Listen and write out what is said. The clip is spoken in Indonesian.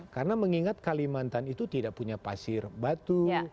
karena mengingat kalimantan itu tidak punya pasir batu